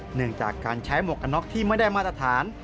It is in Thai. เนื่องจากการใช้หมวกกันน็อกที่ไม่ได้มาตรฐาน